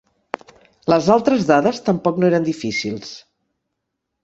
Les altres dades tampoc no eren difícils.